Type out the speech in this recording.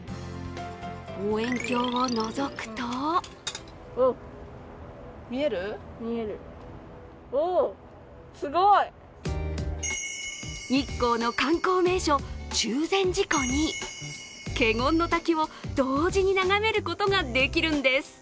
望遠鏡をのぞくと日光の観光名所、中禅寺湖に華厳滝を同時に眺めることができるんです。